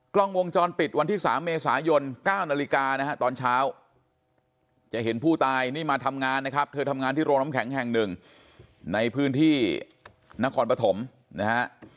กล้องวงจรปิดวันที่๓เมษายน๙นาฬิกานะฮะตอนเช้าจะเห็นผู้ตายนี่มาทำงานนะครับเธอทำงานที่โรงน้ำแข็งแห่งหนึ่งในพื้นที่นครปฐมนะฮะ